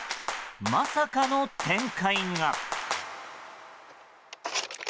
まさかの展開が。